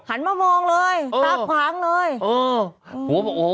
หันมามองเลยตากระหว่างเลย